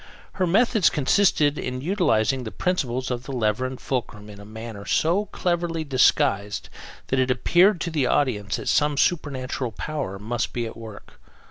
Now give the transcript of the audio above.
Her methods consisted in utilizing the principles of the lever and fulcrum in a manner so cleverly disguised that it appeared to the audience that some supernatural power must be at work.